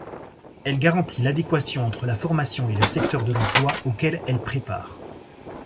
Elle garantit l'adéquation entre la formation et le secteur de l'emploi auquel elle prépare.